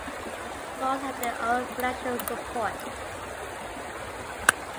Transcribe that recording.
Both had their own financial support.